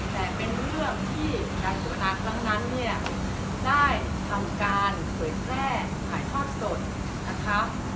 แต่เป็นเรื่องที่การโฆษณาครั้งนั้นเนี่ยได้ทำการเผยแพร่ถ่ายทอดสดนะคะ